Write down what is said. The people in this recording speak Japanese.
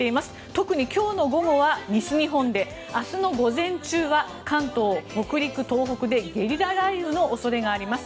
特に今日の午後は西日本で明日の午前中は関東、北陸、東北でゲリラ雷雨の恐れがあります。